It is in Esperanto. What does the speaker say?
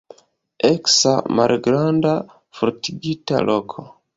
Eksa malgranda fortikigita loko.